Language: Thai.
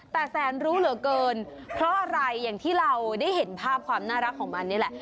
แต่แสนรู้เหลือเกินเพราะอะไรอย่างที่เราได้เห็นภาพความน่ารักของมันนี่แหละ